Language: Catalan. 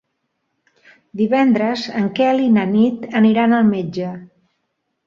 Divendres en Quel i na Nit aniran al metge.